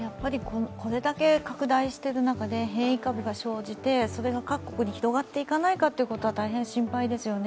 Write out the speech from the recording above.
これだけ拡大してる中で変異株が生じてそれが各国に広がっていかないか、大変心配ですよね。